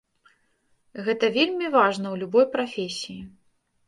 Гэта таксама вельмі важна ў любой прафесіі.